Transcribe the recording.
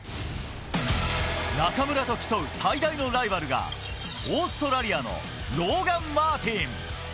中村と競う最大のライバルが、オーストラリアのローガン・マーティン。